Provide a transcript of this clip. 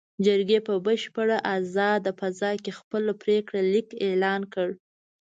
جرګې په بشپړه ازاده فضا کې خپل پرېکړه لیک اعلان کړ.